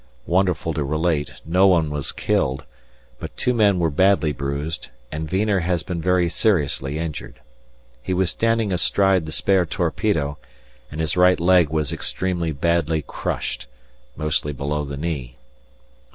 Wonderful to relate, no one was killed, but two men were badly bruised, and Wiener has been very seriously injured. He was standing astride the spare torpedo, and his right leg was extremely badly crushed, mostly below the knee.